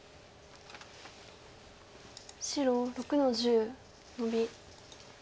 白６の十ノビ。